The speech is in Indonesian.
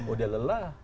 oh dia lelah